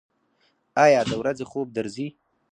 ایا د ورځې خوب درځي؟